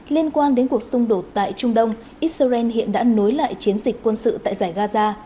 liên quan đến cuộc xung đột tại trung đông israel hiện đã nối lại chiến dịch quân sự tại giải gaza